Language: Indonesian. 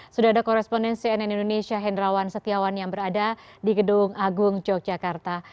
sudah ada korespondensi nn indonesia hendrawan setiawan yang berada di gedung agung yogyakarta